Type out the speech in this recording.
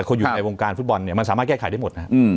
คนอยู่ในวงการฟุตบอลเนี่ยมันสามารถแก้ไขได้หมดนะครับ